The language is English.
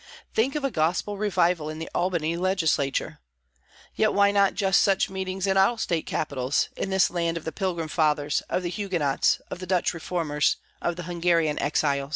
Think of a Gospel Revival in the Albany Legislature! Yet why not just such meetings at all State Capitals, in this land of the Pilgrim Fathers, of the Huguenots, of the Dutch reformers, of the Hungarian exiles?